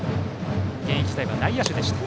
現役時代は内野手でした。